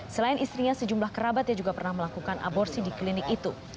selain istrinya sejumlah kerabatnya juga pernah melakukan aborsi di klinik itu